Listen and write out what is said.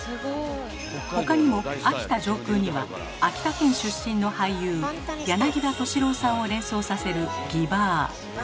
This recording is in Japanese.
他にも秋田上空には秋田県出身の俳優柳葉敏郎さんを連想させる「ＧＩＢＡＲ」。